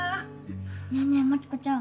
ねぇねぇ真知子ちゃん